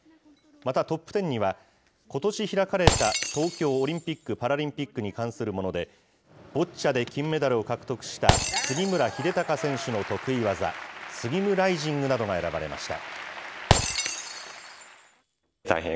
またトップテンには、ことし開かれた東京オリンピック・パラリンピックに関するもので、ボッチャで金メダルを獲得した杉村英孝選手の得意技、スギムライジングなどが選ばれました。